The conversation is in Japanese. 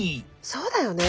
そうだよね。